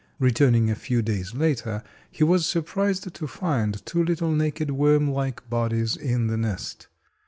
Returning a few days later, he was surprised to find two little naked worm like bodies in the nest.